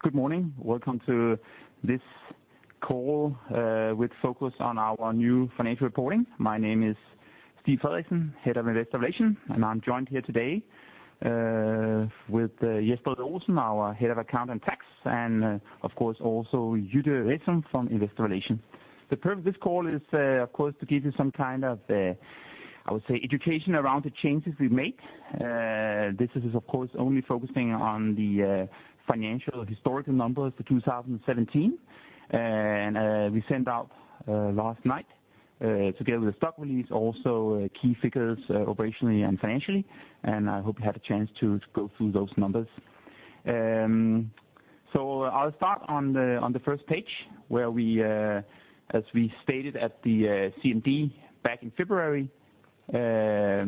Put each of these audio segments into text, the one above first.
Good morning. Welcome to this call with focus on our new financial reporting. My name is Stig Frederiksen, Head of Investor Relations, and I'm joined here today with Jesper Høybye, our head of Account and Tax, and of course, also Julia Rasmussen from Investor Relations. The purpose of this call is, of course, to give you some kind of, I would say, education around the changes we've made. This is of course only focusing on the financial historical numbers for 2017. We sent out last night, together with the stock release, also key figures operationally and financially. I hope you had a chance to go through those numbers. I'll start on the first page where we, as we stated at the CMD back in February, we're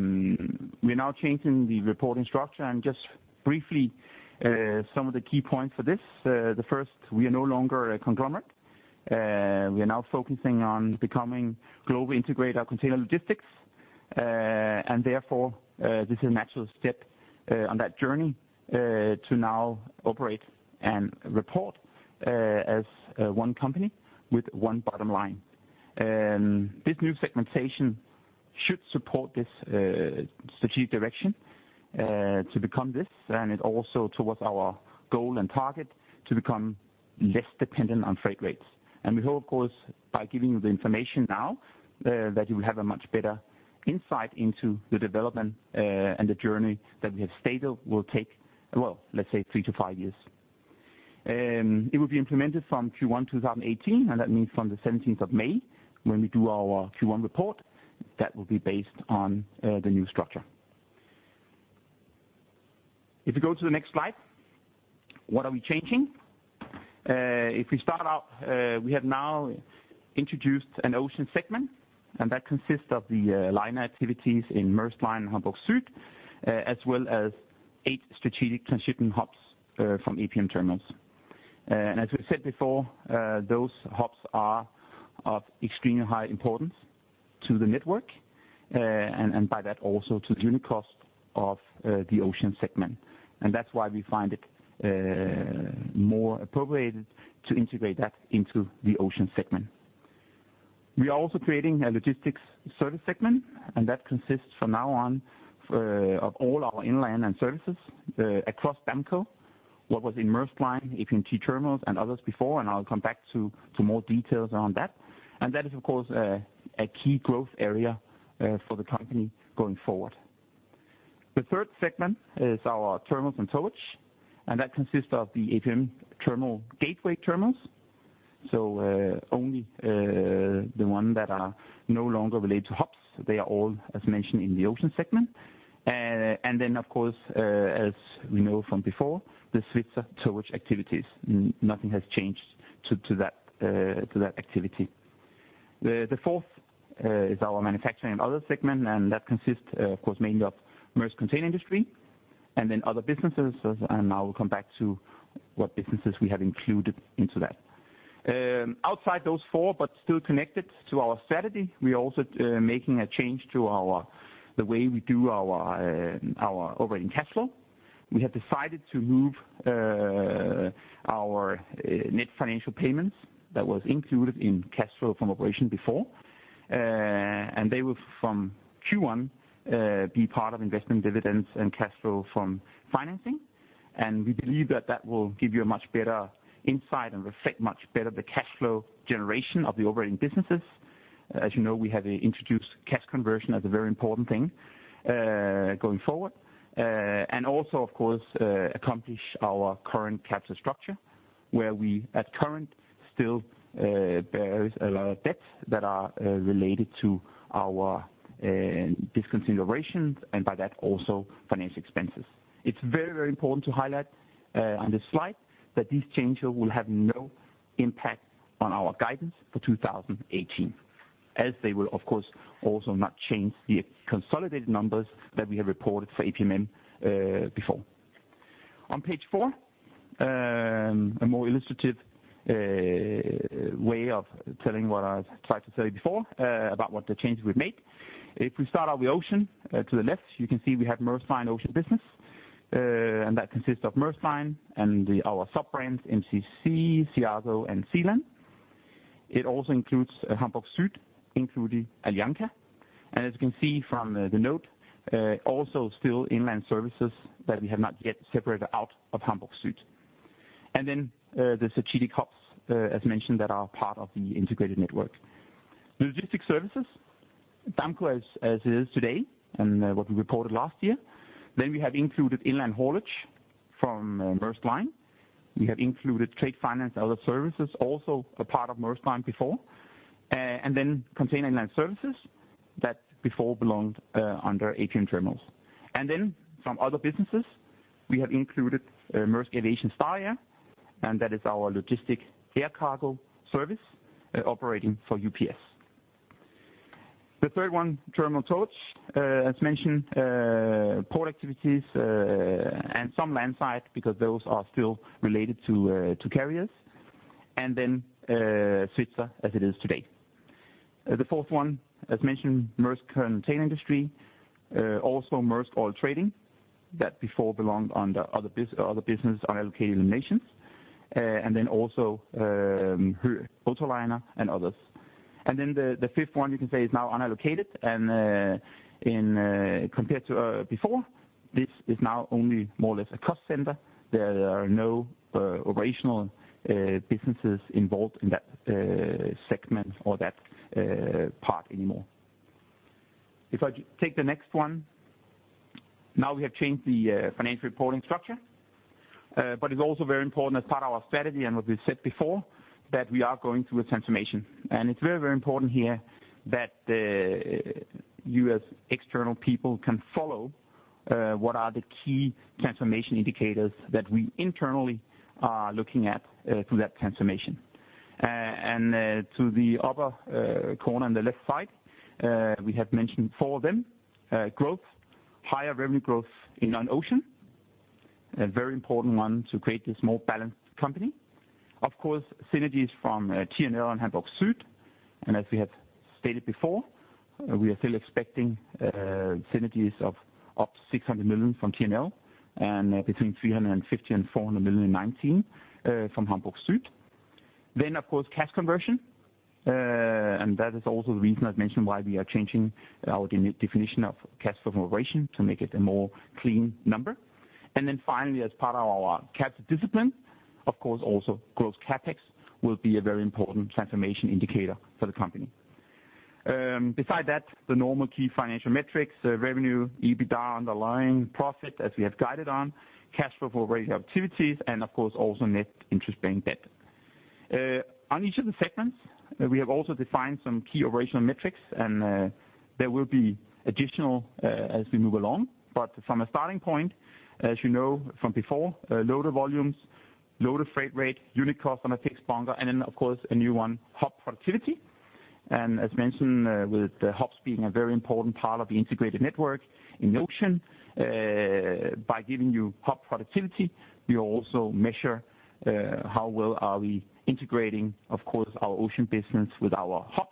now changing the reporting structure. Just briefly, some of the key points for this. The first, we are no longer a conglomerate. We are now focusing on becoming globally integrated container logistics. Therefore, this is a natural step on that journey to now operate and report as one company with one bottom line. This new segmentation should support this strategic direction to become this and it also towards our goal and target to become less dependent on freight rates. We hope, of course, by giving you the information now, that you will have a much better insight into the development, and the journey that we have stated will take, let's say 3-5 years. It will be implemented from Q1 2018, and that means from the 17th of May when we do our Q1 report, that will be based on the new structure. If you go to the next slide, what are we changing? If we start out, we have now introduced an Ocean segment, and that consists of the liner activities in Maersk Line and Hamburg Süd, as well as eight strategic transshipment hubs from APM Terminals. As we said before, those hubs are of extremely high importance to the network, and by that also to the unit cost of the Ocean segment. That's why we find it more appropriate to integrate that into the Ocean segment. We are also creating a logistics service segment, and that consists from now on of all our inland services across Damco, what was in Maersk Line, APM Terminals, and others before, and I'll come back to more details on that. That is, of course, a key growth area for the company going forward. The third segment is our terminals and towage, and that consists of the APM Terminals gateway terminals. Only the ones that are no longer related to hubs. They are all, as mentioned, in the Ocean segment. Of course, as we know from before, the Svitzer towage activities, nothing has changed to that activity. The fourth is our Manufacturing & Others segment, and that consists, of course, mainly of Maersk Container Industry and then other businesses. I will come back to what businesses we have included into that. Outside those four, but still connected to our strategy, we're also making a change to the way we do our operating cash flow. We have decided to move our net financial payments that was included in cash flow from operation before. They will from Q1 be part of investment dividends and cash flow from financing. We believe that will give you a much better insight and reflect much better the cash flow generation of the operating businesses. As you know, we have introduced cash conversion as a very important thing going forward. Also, of course, accompany our current capital structure, where we currently still bear a lot of debts that are related to our discontinuations and by that also finance expenses. It's very, very important to highlight on this slide that this change will have no impact on our guidance for 2018, as they will of course also not change the consolidated numbers that we have reported for APMM before. On page four, a more illustrative way of telling what I tried to say before about what the changes we've made. If we start off with ocean, to the left, you can see we have Maersk Line ocean business, and that consists of Maersk Line and our sub-brands, MCC, Seago, and Sealand. It also includes Hamburg Süd, including Aliança. As you can see from the note, also still inland services that we have not yet separated out of Hamburg Süd. The strategic hubs, as mentioned, that are part of the integrated network. The Logistics & Services, Damco as is today and what we reported last year. We have included inland haulage from Maersk Line. We have included trade finance, other services, also a part of Maersk Line before. Container inland services that before belonged under APM Terminals. From other businesses, we have included Maersk Aviation Star Air, and that is our logistics air cargo service operating for UPS. The third one, terminal towage. As mentioned, port activities and some landside because those are still related to carriers and then Svitzer as it is today. The fourth one, as mentioned, Maersk Container Industry, also Maersk Oil Trading that before belonged on the other business unallocated eliminations. Also Höegh Autoliners and others. The fifth one you can say is now unallocated and, in compared to before, this is now only more or less a cost center. There are no operational businesses involved in that segment or that part anymore. If I take the next one, now we have changed the financial reporting structure but it's also very important as part of our strategy and what we've said before, that we are going through a transformation. It's very, very important here that you as external people can follow what are the key transformation indicators that we internally are looking at through that transformation. To the upper corner on the left side, we have mentioned four of them. Growth, higher revenue growth in Ocean, a very important one to create this more balanced company. Of course, synergies from T&L and Hamburg Süd. As we have stated before, we are still expecting synergies of up to $600 million from T&L, and between $350 million and $400 million in 2019 from Hamburg Süd. Of course, cash conversion. That is also the reason I've mentioned why we are changing our definition of cash from operations to make it a more clean number. Finally, as part of our capital discipline, of course, also gross CapEx will be a very important transformation indicator for the company. Besides that, the normal key financial metrics, revenue, EBITDA, underlying profit as we have guided on, cash flow for various activities, and of course, also net interest-bearing debt. On each of the segments, we have also defined some key operational metrics, and there will be additional as we move along. From a starting point, as you know from before, loaded volumes, loaded freight rate, unit cost on a fixed bunker, and of course, a new one, hub productivity. As mentioned, with the hubs being a very important part of the integrated network in Ocean, by giving you hub productivity, we also measure how well are we integrating, of course, our Ocean business with our hubs,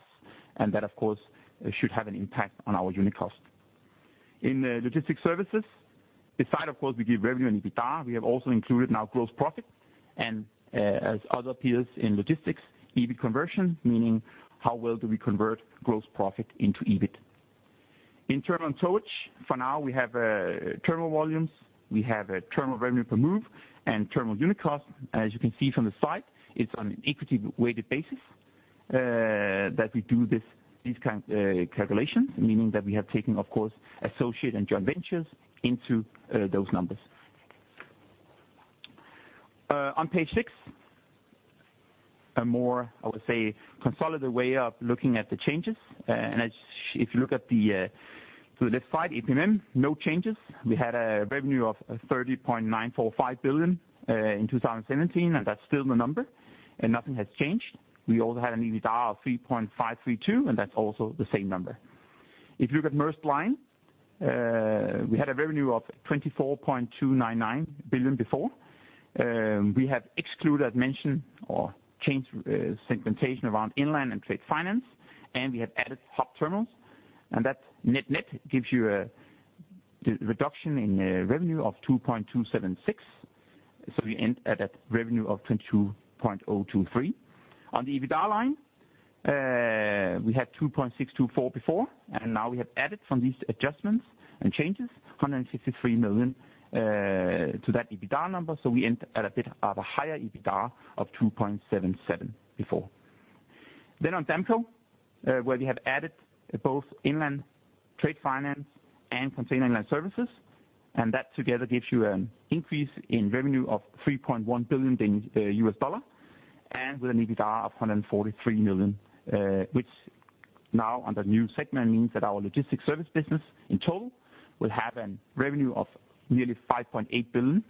and that of course should have an impact on our unit cost. In Logistics & Services, besides of course we give revenue and EBITDA, we have also included now gross profit and, as other peers in logistics, EBIT conversion, meaning how well do we convert gross profit into EBIT. In Terminals & Towage, for now we have terminal volumes, we have a terminal revenue per move and terminal unit cost. As you can see from the slide, it's on an equity weighted basis that we do these kinds of calculations, meaning that we have taken, of course, associate and joint ventures into those numbers. On page six, a more, I would say, consolidated way of looking at the changes. If you look to the left side, APMM, no changes. We had a revenue of $30.945 billion in 2017, and that's still the number and nothing has changed. We also had an EBITDA of $3.532 billion, and that's also the same number. If you look at Maersk Line, we had a revenue of $24.299 billion before. We have excluded mention or changed segmentation around inland and trade finance, and we have added APM Terminals. That net-net gives you a reduction in revenue of $2.276 billion. We end at a revenue of $22.023 billion. On the EBITDA line, we had 2.624 before, and now we have added from these adjustments and changes, $163 million to that EBITDA number. We end at a bit of a higher EBITDA of 2.77 before. On Damco, where we have added both inland trade finance and container inland services, and that together gives you an increase in revenue of $3.1 billion and with an EBITDA of $143 million, which now under new segment means that our logistics service business in total will have a revenue of nearly $5.8 billion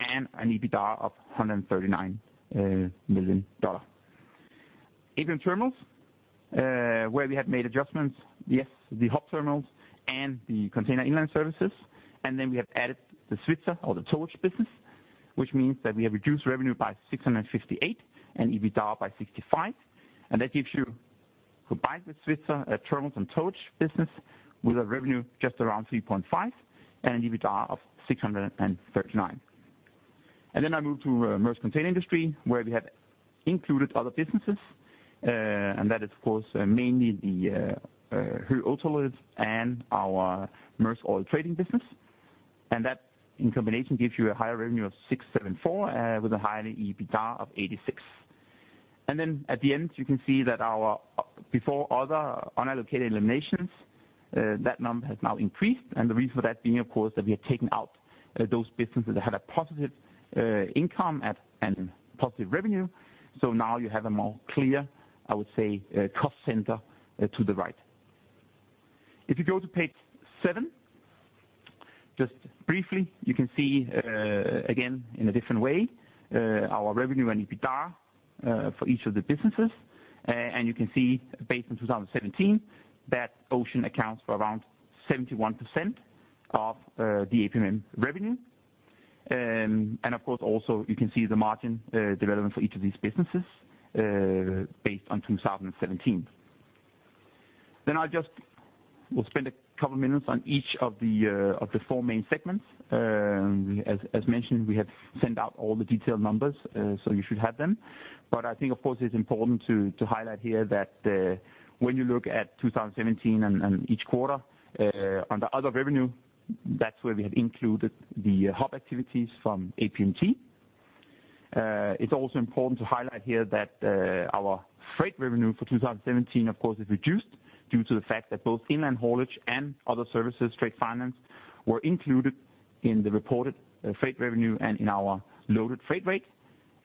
and an EBITDA of $139 million. APM Terminals, where we have made adjustments, yes, the hub terminals and the container inland services. We have added the Svitzer or the towage business, which means that we have reduced revenue by $658 million and EBITDA by $65 million. That gives you, combined with Svitzer, a terminals and towage business with a revenue just around $3.5 billion and an EBITDA of $639 million. Then I move to Maersk Container Industry, where we have included other businesses and that is of course mainly the Höegh Autoliners and our Maersk Oil Trading business and that in combination gives you a higher revenue of $674 million with a higher EBITDA of $86 million. At the end, you can see that our before other unallocated eliminations that number has now increased and the reason for that being of course that we have taken out those businesses that had a positive income at and positive revenue. So now you have a more clear, I would say, cost center to the right. If you go to page seven, just briefly, you can see again in a different way our revenue and EBITDA for each of the businesses. You can see based on 2017 that Ocean accounts for around 71% of the APMM revenue. Of course, also you can see the margin development for each of these businesses based on 2017. I just will spend a couple minutes on each of the four main segments. As mentioned, we have sent out all the detailed numbers, so you should have them. I think, of course, it's important to highlight here that when you look at 2017 and each quarter, on the other revenue, that's where we have included the hub activities from APMT. It's also important to highlight here that our freight revenue for 2017, of course, is reduced due to the fact that both inland haulage and other services, trade finance, were included in the reported freight revenue and in our loaded freight rate.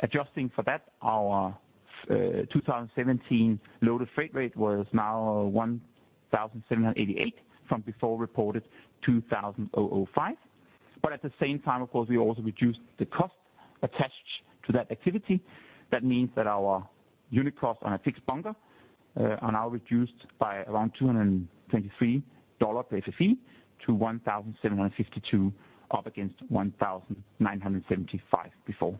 Adjusting for that, our 2017 loaded freight rate was now $1,788 from before reported $2,005. At the same time, of course, we also reduced the cost attached to that activity that means that our unit costs on a fixed bunker are now reduced by around $223 per FEU to $1,752, up against $1,975 before.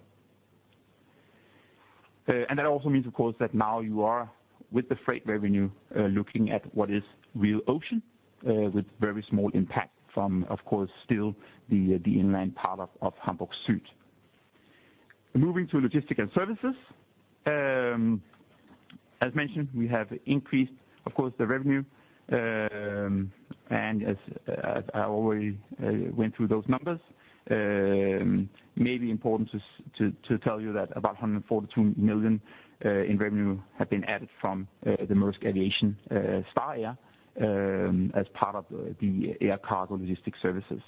That also means, of course, that now you are with the freight revenue, looking at what is real Ocean, with very small impact from, of course, still the inland part of Hamburg Süd. Moving to Logistics & Services. As mentioned, we have increased, of course, the revenue. As I already went through those numbers, maybe important to tell you that about $142 million in revenue have been added from the Maersk Aviation Star Air as part of the air cargo logistic services.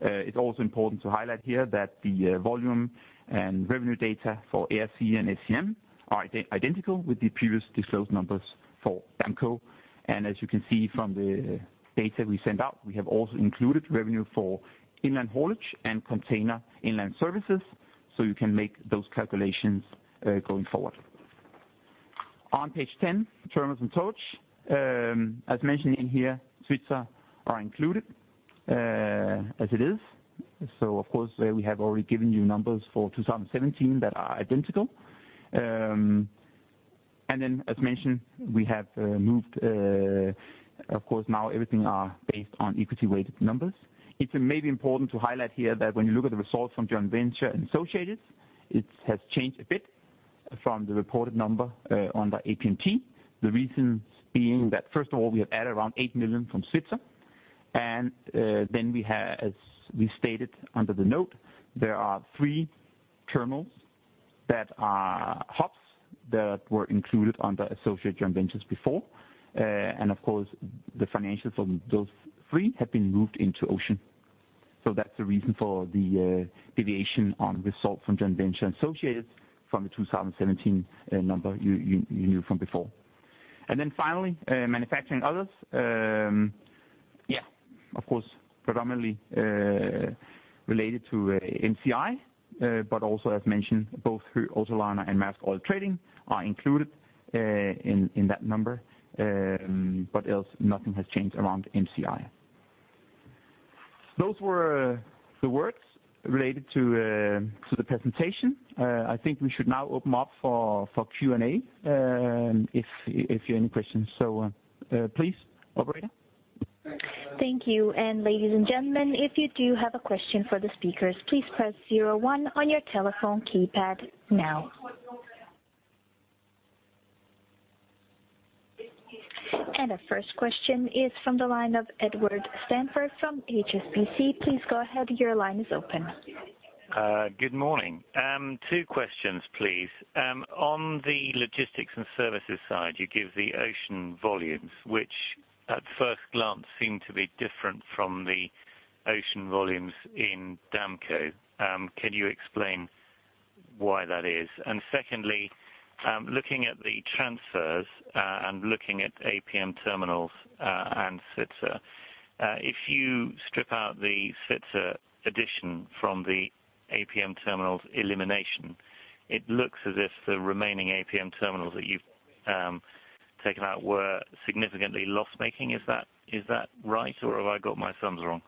It's also important to highlight here that the volume and revenue data for AFC and SCM are identical with the previous disclosed numbers for Damco. As you can see from the data we sent out, we have also included revenue for inland haulage and container inland services, so you can make those calculations going forward. On page 10, Terminals and Towage. As mentioned in here, Svitzer are included as it is. Of course, we have already given you numbers for 2017 that are identical. As mentioned, we have moved, of course, now everything are based on equity-weighted numbers. It may be important to highlight here that when you look at the results from Joint Ventures and Associates, it has changed a bit from the reported number under APMT, the reasons being that first of all, we have added around $8 million from Svitzer. Then we have, as we stated under the note, there are three terminals that are hubs that were included under Associates and Joint Ventures before. Of course, the financials from those three have been moved into Ocean. So that's the reason for the deviation on result from Joint Ventures and Associates from the 2017 number you knew from before. Then finally, Manufacturing and Others. Yeah, of course, predominantly related to NCI, but also as mentioned, both through Höegh Autoliners and Maersk Oil Trading are included in that number but else nothing has changed around NCI. Those were the words related to the presentation. I think we should now open up for Q&A, if you have any questions. Please, operator. Thank you. Ladies and gentlemen, if you do have a question for the speakers, please press zero one on your telephone keypad now. The first question is from the line of Edward Stanford from HSBC. Please go ahead. Your line is open. Good morning. Two questions, please. On the Logistics & Services side, you give the ocean volumes, which at first glance seem to be different from the ocean volumes in Damco. Can you explain why that is? Secondly, looking at the transfers, and looking at APM Terminals, and Svitzer, if you strip out the Svitzer addition from the APM Terminals elimination, it looks as if the remaining APM Terminals that you've taken out were significantly loss-making. Is that right, or have I got my sums wrong?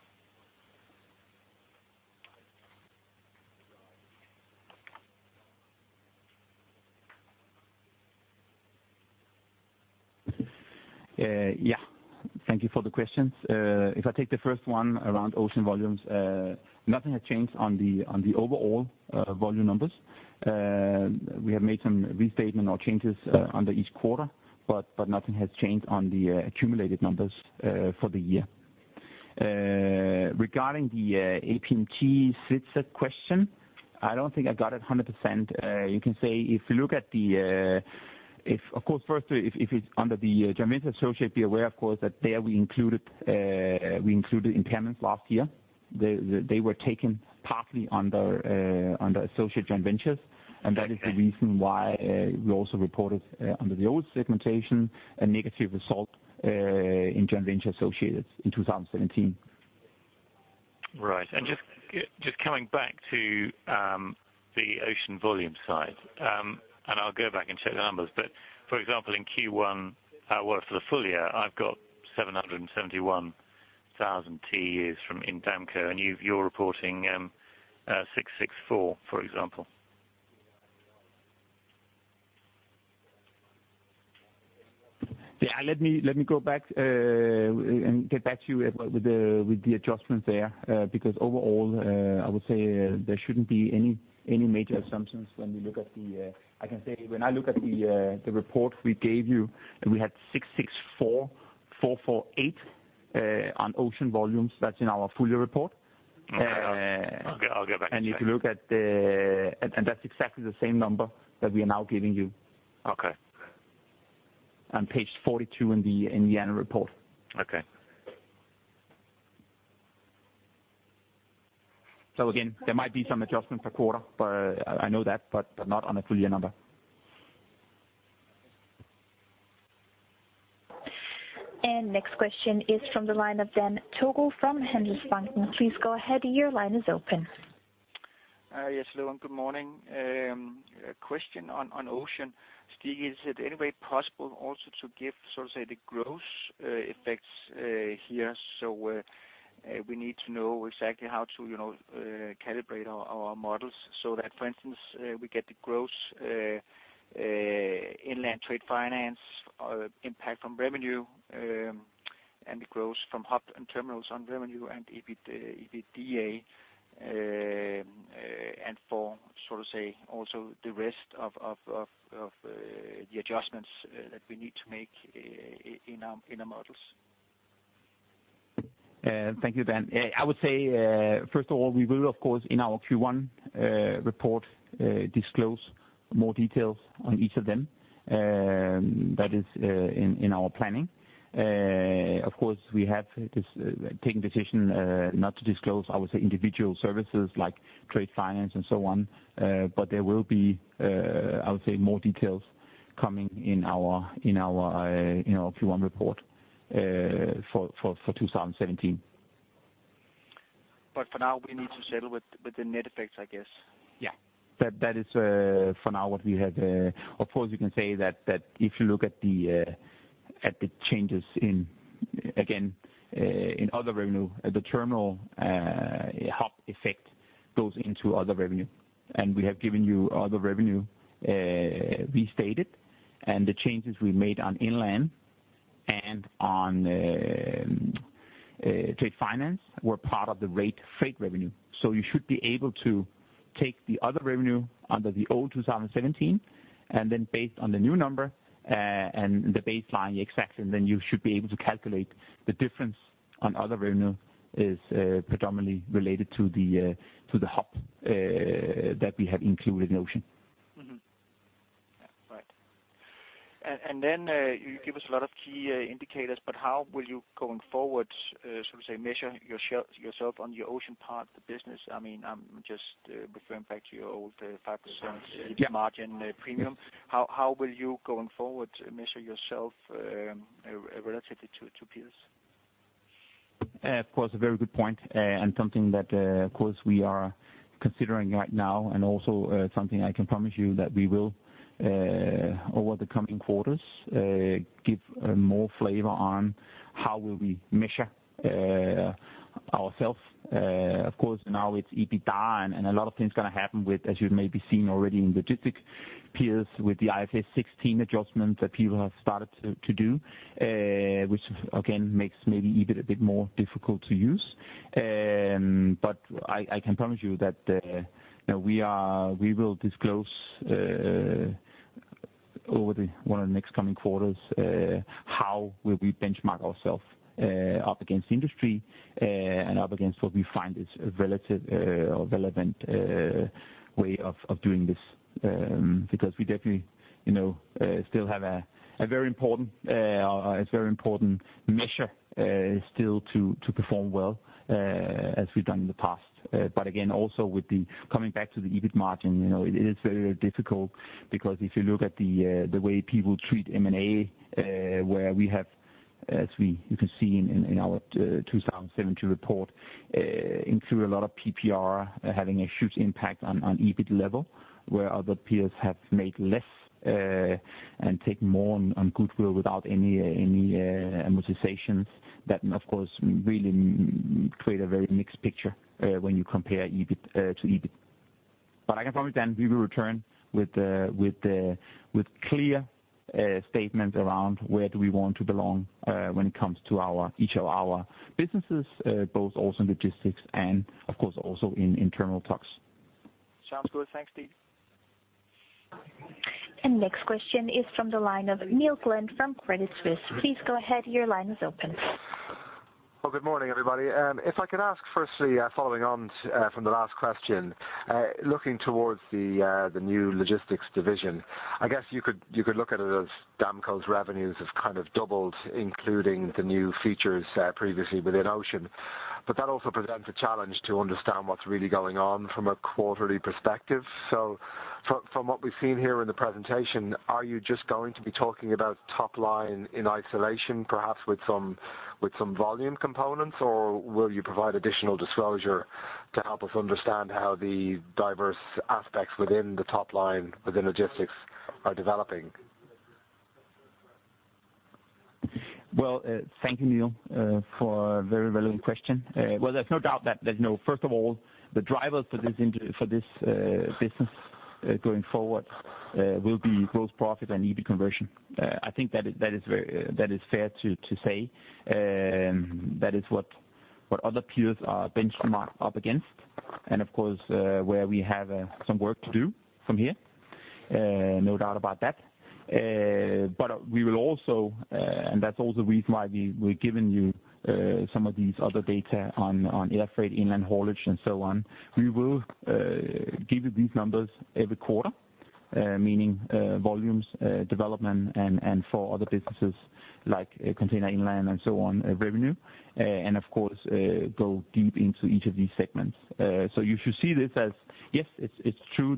Yeah. Thank you for the questions. If I take the first one around ocean volumes, nothing had changed on the overall volume numbers. We have made some restatement or changes under each quarter, but nothing has changed on the accumulated numbers for the year. Regarding the APMT Svitzer question, I don't think I got it 100%. You can say if you look at the. Of course, first, if it's under the Joint Venture Associate, be aware, of course, that there we included impairments last year. They were taken partly under Associate Joint Ventures. That is the reason why we also reported under the old segmentation a negative result in Joint Venture Associates in 2017. Right. Just coming back to the ocean volume side, and I'll go back and check the numbers. For example, in Q1, for the full year, I've got 771,000 TEUs from Damco, and you're reporting 664, for example. Yeah, let me go back and get back to you with the adjustments there. Because overall, I would say there shouldn't be any major assumptions. I can say when I look at the report we gave you and we had 664,448 on ocean volumes. That's in our full year report. Okay. I'll get back to that. And that's exactly the same number that we are now giving you. Okay. On page 42 in the annual report. Okay. Again, there might be some adjustment per quarter, but I know that, but not on a full year number. Next question is from the line of Dan Togo from Handelsbanken. Please go ahead, your line is open. Hi, yes. Hello, and good morning. A question on Ocean. Stig, is it any way possible also to give, so to say, the gross effects here? We need to know exactly how to, you know, calibrate our models so that for instance, we get the gross inland trade finance impact from revenue, and the gross from hub and terminals on revenue and EBITDA, and for so to say, also the rest of the adjustments that we need to make in our models. Thank you, Dan. I would say, first of all, we will of course in our Q1 report disclose more details on each of them, that is, in our planning. Of course, we have taken this decision not to disclose, I would say, individual services like trade finance and so on. There will be, I would say more details coming in our you know Q1 report for 2017. For now we need to settle with the net effects, I guess. Yeah. That is for now what we have. Of course you can say that if you look at the changes in, again, in other revenue, the terminal hub effect goes into other revenue. We have given you other revenue restated, and the changes we made on inland and on trade finance were part of the freight rate revenue. You should be able to take the other revenue under the old 2017, and then based on the new number and the baseline, the expectation, then you should be able to calculate. The difference on other revenue is predominantly related to the hub that we have included in Ocean. Mm-hmm. Yeah. Right. Then you give us a lot of key indicators, but how will you going forward so to say measure yourself on your Ocean part of the business? I mean, I'm just referring back to your old 5% EBIT margin premium. How will you going forward measure yourself relatively to peers? Of course, a very good point, and something that, of course we are considering right now and also, something I can promise you that we will, over the coming quarters, give more flavor on how will we measure ourselves. Of course now it's EBITDA, and a lot of things gonna happen with, as you may have seen already in logistics peers with the IFRS 16 adjustment that people have started to do, which again, makes maybe EBIT a bit more difficult to use. I can promise you that we are, we will disclose, over one of the next coming quarters, how will we benchmark ourselves up against industry, and up against what we find is relevant way of doing this. Because we definitely, you know, still have a very important measure still to perform well, as we've done in the past. But again also with the coming back to the EBIT margin, you know, it is very difficult because if you look at the way people treat M&A, where we have, as you can see in our 2017 report, include a lot of PPR having a huge impact on EBIT level, where other peers have made less, and take more on goodwill without any amortizations that of course really create a very mixed picture, when you compare EBIT to EBIT. I can promise, Dan, we will return with the clear statement around where do we want to belong when it comes to each of our businesses, both also in logistics and of course also in internal talks. Sounds good. Thanks, Stig. Next question is from the line of Neil Glynn from Credit Suisse. Please go ahead, your line is open. Well, good morning, everybody. If I could ask firstly, following on from the last question. Looking towards the new logistics division, I guess you could look at it as Damco's revenues have kind of doubled, including the new features previously within Ocean but that also presents a challenge to understand what's really going on from a quarterly perspective. From what we've seen here in the presentation, are you just going to be talking about top line in isolation, perhaps with some volume components? Or will you provide additional disclosure to help us understand how the diverse aspects within the top line within logistics are developing? Well, thank you, Neil, for a very relevant question. Well, there's no doubt that, you know, first of all, the drivers for this business going forward will be gross profit and EBIT conversion. I think that is very fair to say. That is what other peers are benchmarked up against. Of course, where we have some work to do from here. No doubt about that. We will also, and that's also the reason why we've given you some of these other data on air freight, inland haulage, and so on. We will give you these numbers every quarter, meaning volumes, development and for other businesses like container inland and so on, revenue. Of course, go deep into each of these segments. You should see this as, yes, it's true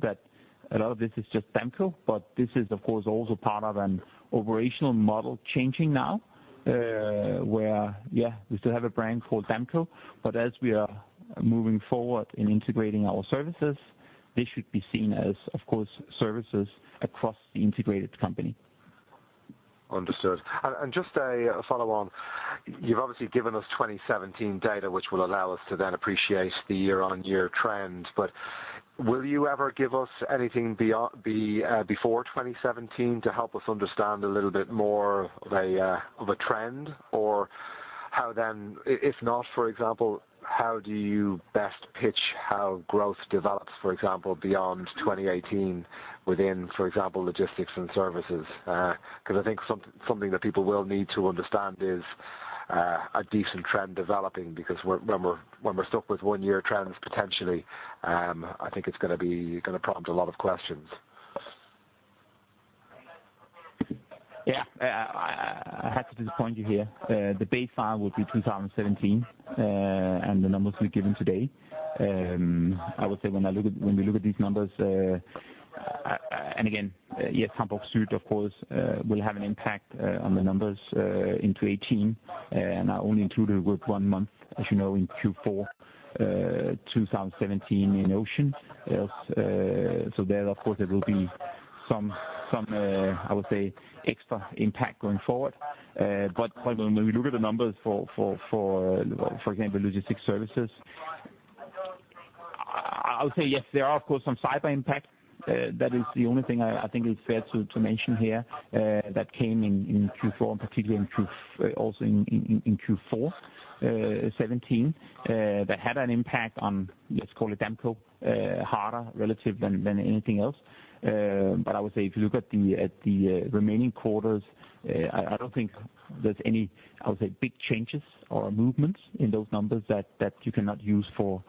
that a lot of this is just Damco, but this is of course also part of an operational model changing now, where we still have a brand called Damco, but as we are moving forward in integrating our services, they should be seen as, of course, services across the integrated company. Understood. Just a follow on, you've obviously given us 2017 data, which will allow us to then appreciate the year-on-year trend. Will you ever give us anything before 2017 to help us understand a little bit more of a trend? If not, for example, how do you best pitch how growth develops, for example, beyond 2018 within, for example, logistics and services? 'Cause I think something that people will need to understand is a decent trend developing because when we're stuck with one-year trends potentially, I think it's gonna prompt a lot of questions. Yeah. I have to disappoint you here. The base case will be 2017 and the numbers we've given today. I would say when we look at these numbers, and again, yes, Hamburg Süd of course will have an impact on the numbers into 2018, and are only included with one month, as you know, in Q4 2017 in Ocean. Else, so there, of course, there will be some I would say, extra impact going forward. But when we look at the numbers for example, logistics services, I would say yes, there are of course some cyber impact. That is the only thing I think is fair to mention here that came in in Q4 and particularly in Q... Also in Q4 2017, that had an impact on, let's call it Damco, harder relatively than anything else. I would say if you look at the remaining quarters, I don't think there's any, I would say, big changes or movements in those numbers that you cannot use for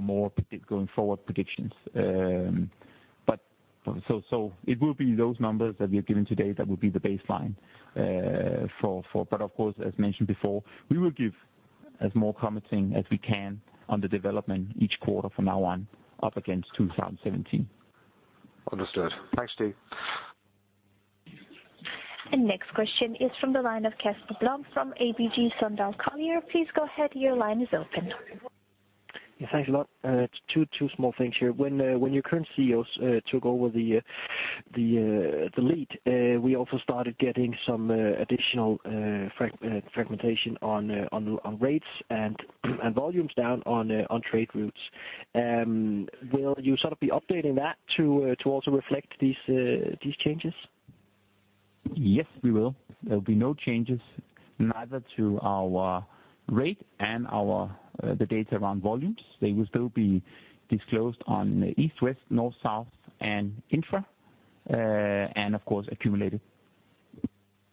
more going forward predictions. It will be those numbers that we are giving today that will be the baseline for. Of course, as mentioned before, we will give as much commenting as we can on the development each quarter from now on up against 2017. Understood. Thanks, Stig. Next question is from the line of Casper Blom from ABG Sundal Collier. Please go ahead, your line is open. Yeah, thanks a lot. Two small things here. When your current CEOs took over the lead, we also started getting some additional fragmentation on rates and volumes down on trade routes. Will you sort of be updating that to also reflect these changes? Yes, we will. There will be no changes neither to our rate and our the data around volumes. They will still be disclosed on East, West, North, South, and Intra, and of course accumulated.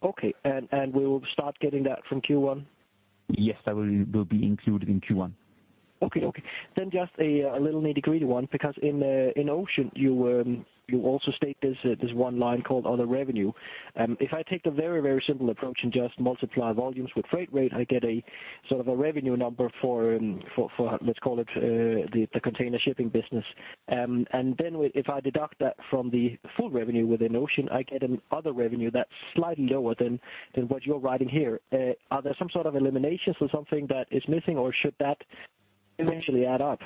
Okay. We will start getting that from Q1? Yes, that will be included in Q1. Okay. Then just a little nitty-gritty one, because in Ocean you also state there's one line called Other Revenue. If I take the very simple approach and just multiply volumes with freight rate, I get a sort of a revenue number for let's call it the container shipping business. And then if I deduct that from the full revenue within Ocean, I get an other revenue that's slightly lower than what you're writing here. Are there some sort of eliminations or something that is missing, or should that eventually add up?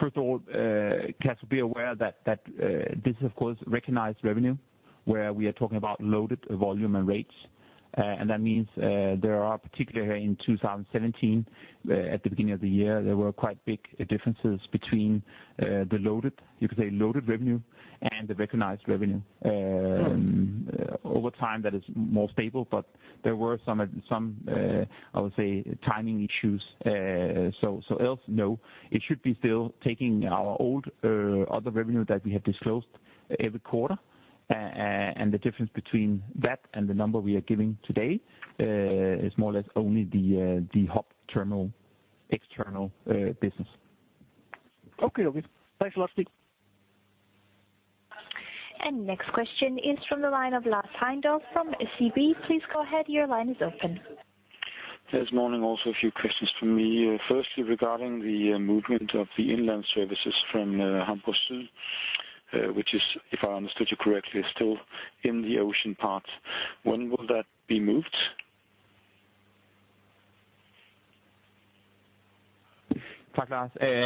First of all, Casper, be aware that this is of course recognized revenue where we are talking about loaded volume and rates. That means there are particularly in 2017 at the beginning of the year there were quite big differences between the loaded, you could say loaded revenue and the recognized revenue. Over time that is more stable, but there were some, I would say, timing issues. Otherwise, no, it should be still taking our old other revenue that we have disclosed every quarter. The difference between that and the number we are giving today is more or less only the hub terminal external business. Okay. Thanks a lot, Stig. Next question is from the line of Lars Heindorff from SEB. Please go ahead, your line is open. Yes, morning. Also a few questions from me. Firstly, regarding the movement of the inland services from Hamburg Süd, which, if I understood you correctly, is still in the Ocean part. When will that be moved?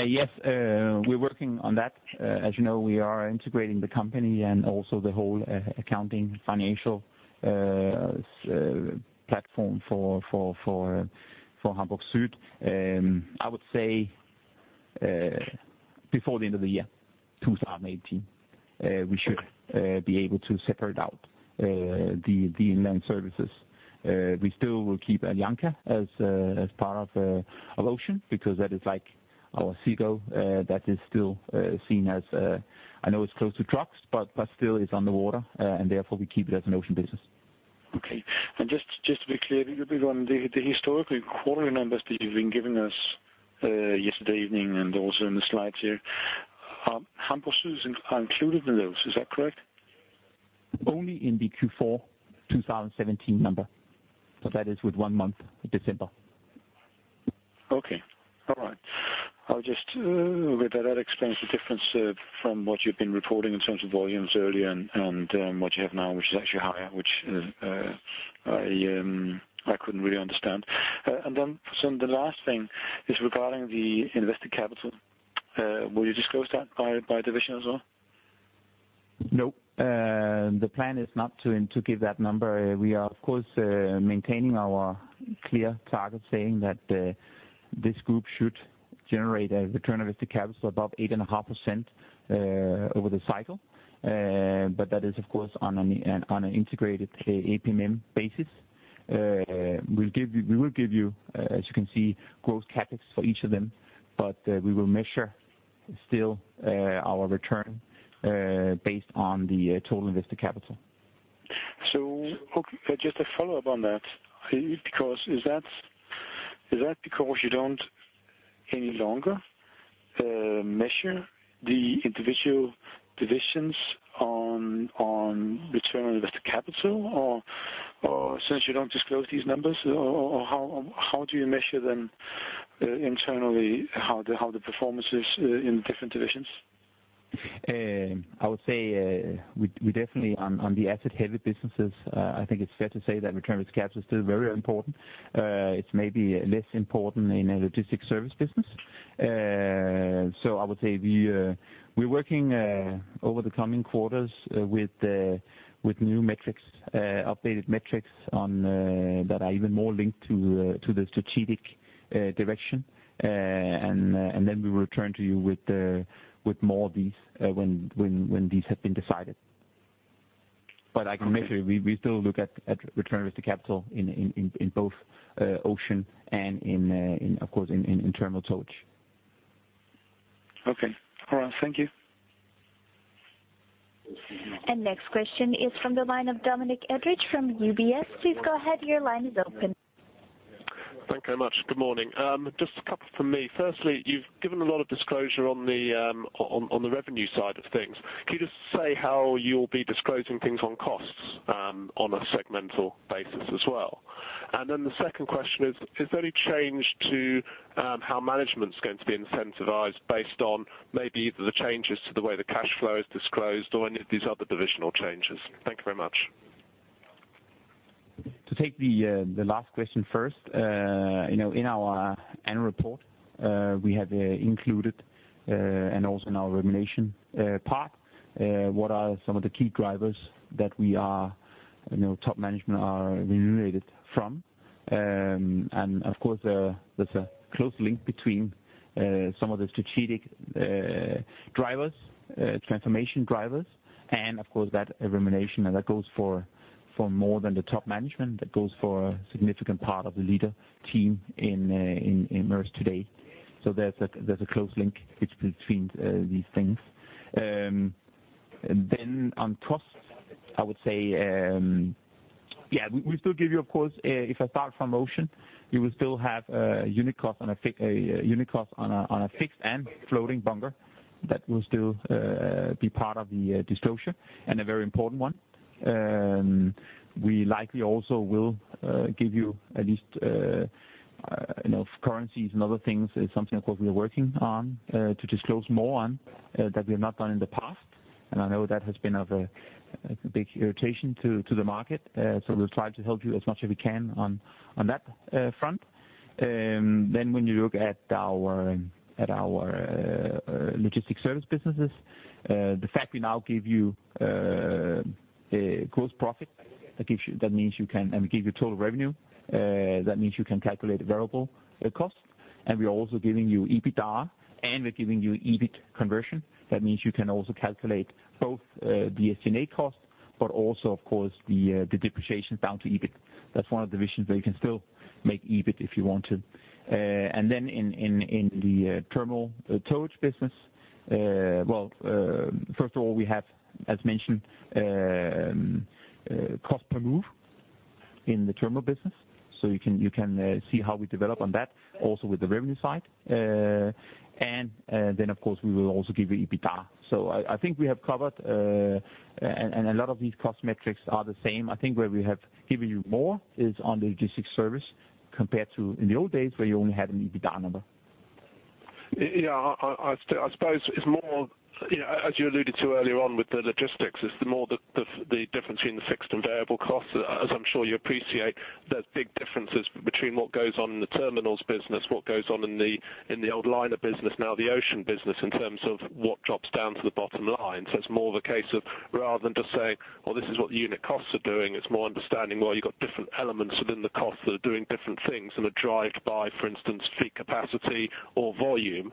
Yes, we're working on that. As you know, we are integrating the company and also the whole accounting financial platform for Hamburg Süd. I would say before the end of the year, 2018, we should be able to separate out the inland services. We still will keep Aliança as a part of ocean because that is like our Seago, that is still seen as, I know it's close to trucks, but still it's on the water, and therefore, we keep it as an ocean business. Okay. Just to be clear, the historical quarterly numbers that you've been giving us yesterday evening and also in the slides here, Hamburg Süd are included in those, is that correct? Only in the Q4 2017 number. That is with one month, December. Okay. All right. I'll just, with that explains the difference from what you've been reporting in terms of volumes earlier and what you have now, which is actually higher, which I couldn't really understand. The last thing is regarding the invested capital. Will you disclose that by division as well? No. The plan is not to give that number. We are of course maintaining our clear target saying that this group should generate a return on invested capital above 8.5% over the cycle. That is of course on an integrated APM basis. We will give you, as you can see, gross CapEx for each of them, but we will measure still our return based on the total invested capital. Just a follow-up on that. Is that because you don't any longer measure the individual divisions on return on invested capital? Or since you don't disclose these numbers, or how do you measure them internally, how the performance is in different divisions? I would say we definitely, on the asset-heavy businesses, I think it's fair to say that return on invested capital is still very important. It's maybe less important in a Logistics & Services business. I would say we're working over the coming quarters with new metrics, updated metrics that are even more linked to the strategic direction. We will return to you with more of these when these have been decided. I can assure we still look at return on invested capital in both Ocean and, of course, in Terminals & Towage. Okay. All right. Thank you. Next question is from the line of Dominic Edridge from UBS. Please go ahead. Your line is open. Thank you very much. Good morning. Just a couple from me. Firstly, you've given a lot of disclosure on the revenue side of things. Can you just say how you'll be disclosing things on costs on a segmental basis as well? The second question is there any change to how management's going to be incentivized based on maybe either the changes to the way the cash flow is disclosed or any of these other divisional changes? Thank you very much. To take the last question first, you know, in our annual report, we have included, and also in our remuneration part, what are some of the key drivers that we are, you know, top management are remunerated from. Of course, there's a close link between some of the strategic drivers, transformation drivers, and of course that remuneration, and that goes for more than the top management. That goes for a significant part of the leader team in Maersk today. So there's a close link between these things. Then on costs, I would say, yeah, we still give you of course, if I start from Ocean, you will still have a unit cost on a fixed and floating bunker that will still be part of the disclosure and a very important one. We likely also will give you at least, you know, currencies and other things is something of course we are working on to disclose more on that we have not done in the past. I know that has been of a big irritation to the market. We'll try to help you as much as we can on that front. When you look at our Logistics & Services businesses, the fact we now give you a gross profit that gives you, that means you can, and we give you total revenue, that means you can calculate variable cost. We are also giving you EBITDA, and we're giving you EBIT conversion. That means you can also calculate both the SG&A cost, but also of course the depreciation down to EBIT. That's one of the versions where you can still make EBIT if you want to. In the Terminals & Towage business, well, first of all, we have, as mentioned, cost per move in the terminal business, so you can see how we develop on that also with the revenue side. Of course we will also give you EBITDA. I think we have covered, and a lot of these cost metrics are the same. I think where we have given you more is on the Logistics & Services compared to in the old days where you only had an EBITDA number. Yeah. I suppose it's more. Yeah, as you alluded to earlier on with the logistics, is the more the difference between the fixed and variable costs, as I'm sure you appreciate, there's big differences between what goes on in the terminals business, what goes on in the old liner business, now the ocean business, in terms of what drops down to the bottom line. It's more of a case of rather than just saying, "Well, this is what the unit costs are doing," it's more understanding, well, you've got different elements within the costs that are doing different things and are driven by, for instance, fleet capacity or volume.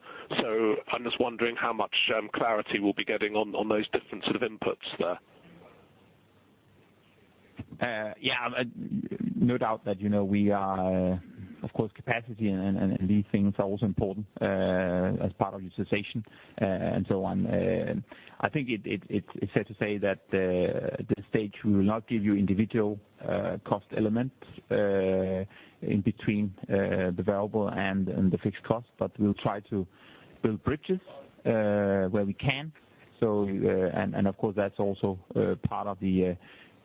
I'm just wondering how much clarity we'll be getting on those different sort of inputs there. No doubt that, you know, we are, of course, capacity and these things are also important, as part of utilization, and so on. I think it's fair to say that at this stage we will not give you individual cost elements in between the variable and the fixed costs, but we'll try to build bridges where we can. Of course, that's also part of, again,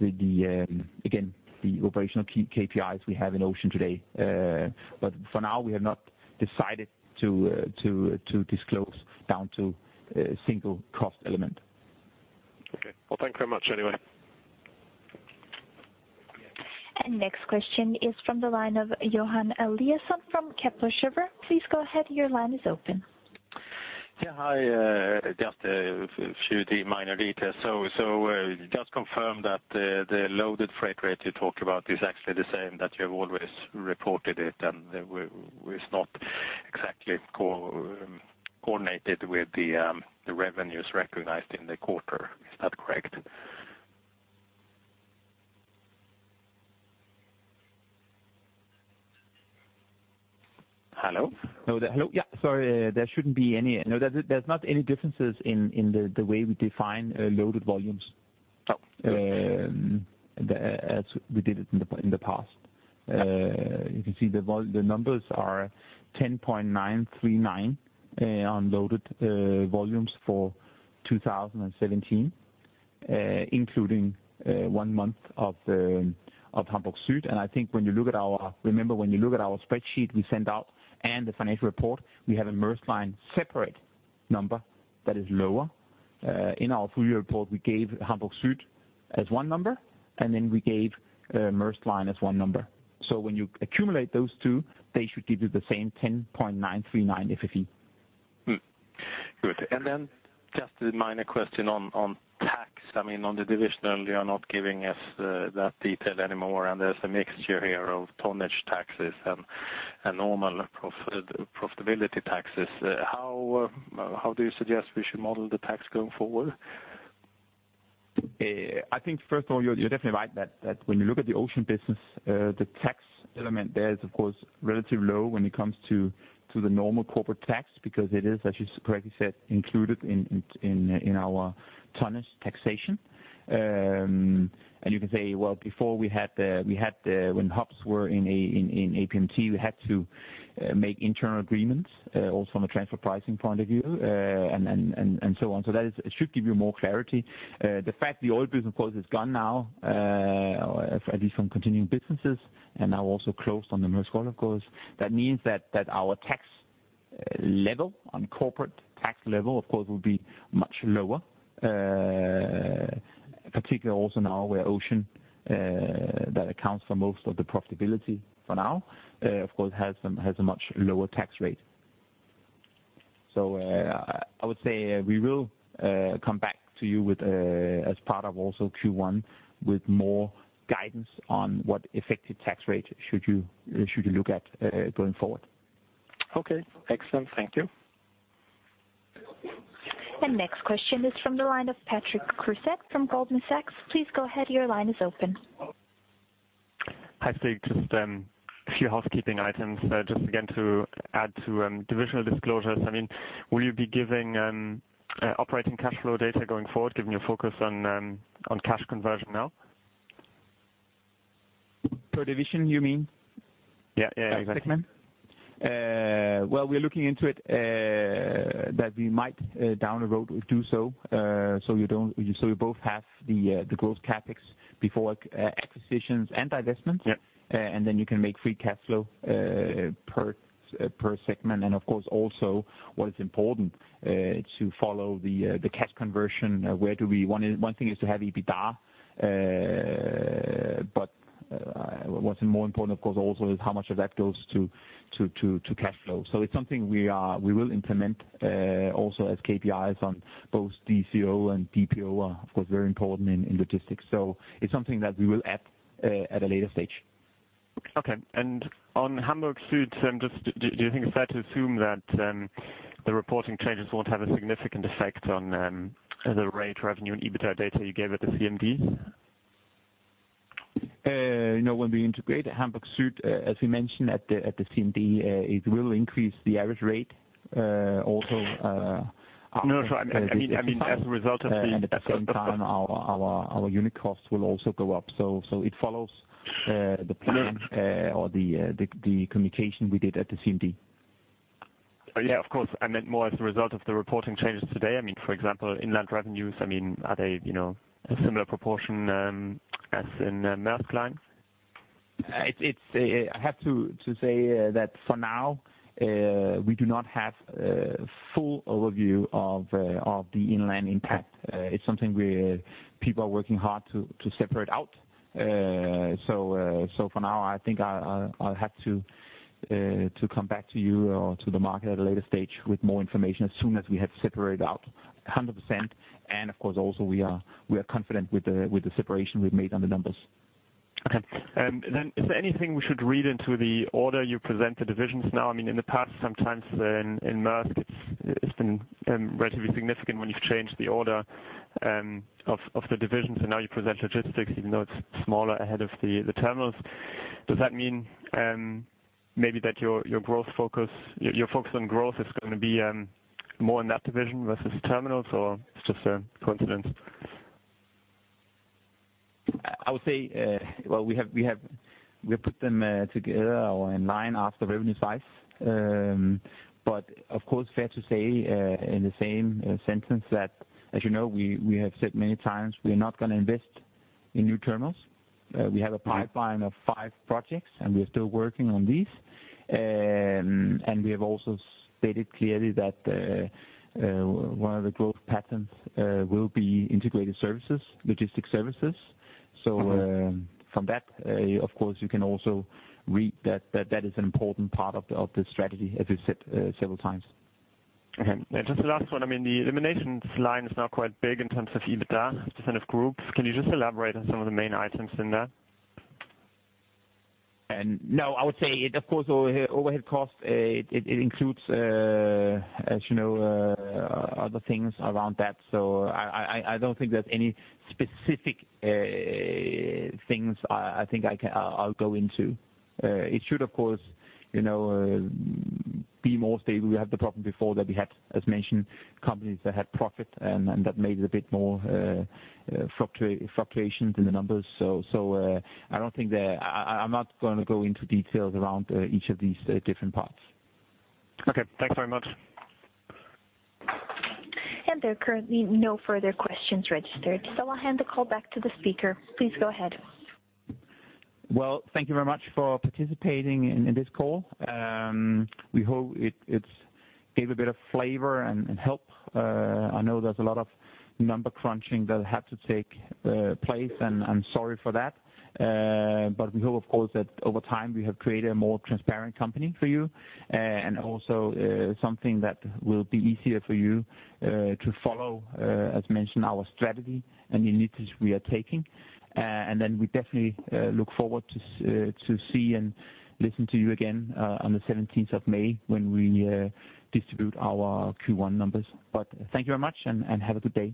the operational key KPIs we have in Ocean today. For now, we have not decided to disclose down to a single cost element. Okay. Well, thanks very much anyway. Next question is from the line of Johan Eliason from Kepler Cheuvreux. Please go ahead, your line is open. Yeah, hi. Just a few of the minor details. Just confirm that the loaded freight rate you talk about is actually the same that you have always reported it, and we're not exactly coordinated with the revenues recognized in the quarter. Is that correct? Hello? No. Hello? Yeah, sorry. There shouldn't be any. No, there's not any differences in the way we define loaded volumes. As we did it in the past. You can see the numbers are 10.939 million TEUs on loaded volumes for 2017, including one month of Hamburg Süd. I think when you look at our, remember, when you look at our spreadsheet we sent out and the financial report, we have a Maersk Line separate number that is lower. In our full year report, we gave Hamburg Süd as one number, and then we gave Maersk Line as one number. When you accumulate those two, they should give you the same 10.939 FEU. Good. Then just a minor question on tax. I mean, on the division, you are not giving us that detail anymore, and there's a mixture here of tonnage taxes and normal profitability taxes. How do you suggest we should model the tax going forward? I think first of all, you're definitely right that when you look at the ocean business, the tax element there is of course relatively low when it comes to the normal corporate tax because it is, as you correctly said, included in our tonnage taxation. You can say, well, before, when hubs were in APMT, we had to make internal agreements also from a transfer pricing point of view, and so on. That should give you more clarity. The fact that the oil business, of course, is gone now, at least from continuing businesses and now also closed on the Maersk Oil, of course, that means that our tax level on corporate tax level, of course, will be much lower. Particularly also now where Ocean that accounts for most of the profitability for now, of course, has a much lower tax rate. I would say we will come back to you with, as part of also Q1, with more guidance on what effective tax rate you should look at going forward. Okay. Excellent. Thank you. The next question is from the line of Patrick Creuset from Goldman Sachs. Please go ahead, your line is open. Hi, Stig. Just a few housekeeping items. Just again, to add to divisional disclosures, I mean, will you be giving operating cash flow data going forward, given your focus on cash conversion now? Per division, you mean? Yeah, yeah. By segment? Well, we're looking into it, that we might down the road do so you don't, so you both have the growth CapEx before acquisitions and divestments. Yep. Then you can make free cash flow per segment. Of course, also what is important to follow the cash conversion. One thing is to have EBITDA, but what's more important, of course, also is how much of that goes to cash flow. It's something we will implement also as KPIs on both DSO and DPO, are of course very important in logistics. It's something that we will add at a later stage. Okay. On Hamburg Süd, just, do you think it's fair to assume that the reporting changes won't have a significant effect on the rate revenue and EBITDA data you gave at the CMD? You know, when we integrate Hamburg Süd, as we mentioned at the CMD, it will increase the average rate, also. No, sure. I mean, as a result of the.. At the same time, our unit costs will also go up. It follows the plan, or the communication we did at the CMD. Yeah, of course. I meant more as a result of the reporting changes today. I mean, for example, inland revenues, I mean, are they, you know, a similar proportion, as in, Maersk Line? I have to say that for now we do not have full overview of the inland impact. It's something people are working hard to separate out. For now I think I'll have to come back to you or to the market at a later stage with more information as soon as we have separated out 100%. Of course, also we are confident with the separation we've made on the numbers. Okay. Is there anything we should read into the order you present the divisions now? I mean, in the past, sometimes in Maersk it's been relatively significant when you've changed the order of the divisions, and now you present logistics even though it's smaller ahead of the terminals. Does that mean maybe that your growth focus. Your focus on growth is gonna be more in that division versus terminals, or it's just a coincidence? I would say, well, we have put them together or in line after revenue size. But of course, fair to say, in the same sentence that as you know, we have said many times, we are not gonna invest in new terminals. We have a pipeline of five projects, and we are still working on these. We have also stated clearly that one of the growth patterns will be integrated services, logistics services. Okay. From that, of course, you can also read that that is an important part of the strategy, as we've said, several times. Okay. Just the last one, I mean, the eliminations line is now quite big in terms of EBITDA, differences of groups. Can you just elaborate on some of the main items in there? No, I would say it, of course, overhead cost, it includes, as you know, other things around that. I don't think there's any specific things I'll go into. It should, of course, you know, be more stable. We had the problem before that we had, as mentioned, companies that had profit and that made it a bit more fluctuations in the numbers. I'm not gonna go into details around each of these different parts. Okay. Thanks very much. There are currently no further questions registered, so I'll hand the call back to the speaker. Please go ahead. Well, thank you very much for participating in this call. We hope it's given a bit of flavor and help. I know there's a lot of number crunching that had to take place and I'm sorry for that. We hope of course that over time we have created a more transparent company for you and also something that will be easier for you to follow, as mentioned, our strategy and initiatives we are taking. We definitely look forward to see and listen to you again on the 17th of May when we distribute our Q1 numbers. Thank you very much and have a good day.